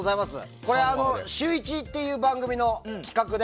「シューイチ」っていう番組の企画で。